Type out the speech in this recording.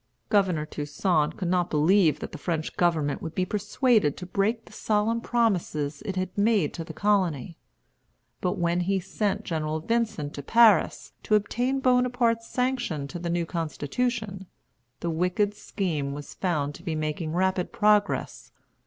Governor Toussaint could not believe that the French government would be persuaded to break the solemn promises it had made to the colony. But when he sent General Vincent to Paris to obtain Bonaparte's sanction to the new constitution, the wicked scheme was found to be making rapid progress.